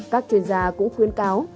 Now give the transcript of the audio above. các chuyên gia cũng khuyến cáo